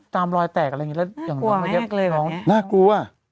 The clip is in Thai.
จำลอยแตกอะไรอย่างงี้แล้วน่ากลัวมาชัดเลยน่ากลัว